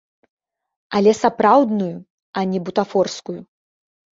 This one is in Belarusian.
Але сапраўдную, а не бутафорскую.